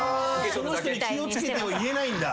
その人に「気を付けて」を言えないんだ。